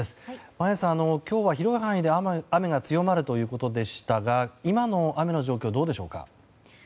眞家さん、今日は広い範囲で雨が強まるということでしたが今の雨の状況はどうでしょうか？